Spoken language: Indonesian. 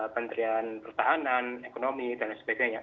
menterian pertahanan ekonomi dan lain sebagainya